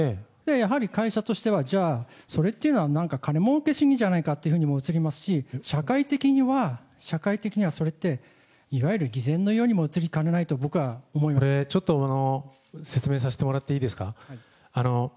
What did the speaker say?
やはり、会社としては、じゃあ、それっていうのは、なんか金もうけ主義じゃないかというふうにも映りますし、社会的には、社会的にはそれって、いわゆる偽善のようにも映りかねないと、ちょっと説明させてもらっていいですか。